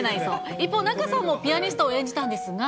一方、仲さんもピアニストを演じたんですが。